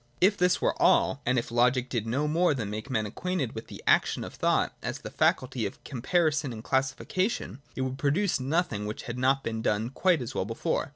If this were all, and if Logic did no more than make men acquainted with the action of thought as the faculty of comparison and classification, it would produce nothing which had not been done quite as well before.